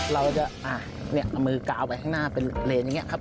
เราจะเอามือกาวไปข้างหน้าเป็นเลนอย่างนี้ครับ